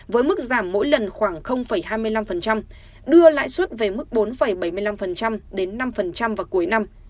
với mức giảm mỗi lần khoảng hai mươi năm đưa lãi suất về mức bốn bảy mươi năm đến năm vào cuối năm